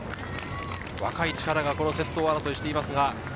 若い力が先頭争いをしています。